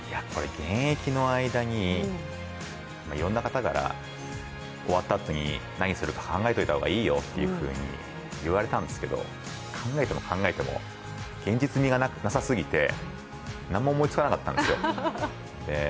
現役の間にいろんな方から、終わったあとに何するか考えておいた方がいいよと言われたんですけど、考えても考えても現実味がなさすぎて何も思いつかなかったんですよ。